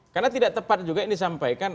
karena tidak tepat juga yang disampaikan